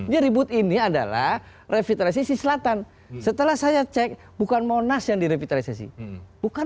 jadi ribut ini adalah revitalisasi selatan setelah saya cek bukan monas yang di revitalisasi bukan